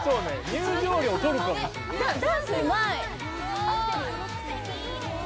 入場料取るかもしんない。ね。